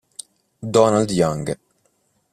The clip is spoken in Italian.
Donald Young